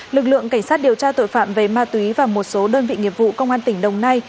lực lượng cảnh sát điều tra tội phạm về ma túy và một số đơn vị nghiệp vụ công an tỉnh đồng nai